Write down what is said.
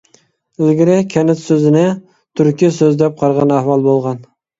ئىلگىرى «كەنت» سۆزىنى تۈركى سۆز دەپ قارىغان ئەھۋال بولغان.